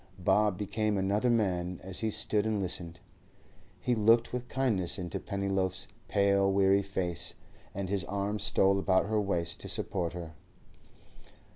Bob became another man as he stood and listened. He looked with kindness into Pennyloaf's pale, weary face, and his arm stole about her waist to support her.